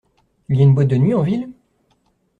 Il y a une boîte de nuit en ville ?